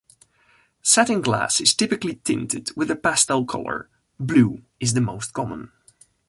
Satin glass is typically tinted with a pastel color, blue is the most common.